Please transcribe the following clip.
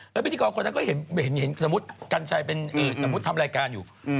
แล้วพิธีกรคนนั้นก็เห็นสมมุติกัญชัยเป็นสมมุติทำรายการอยู่